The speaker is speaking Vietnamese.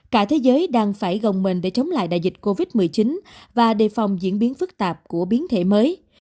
cả thế giới đang phải gồng mình để chống lại đại dịch covid một mươi chín và đề phòng diễn biến phức tạp của biến thể mới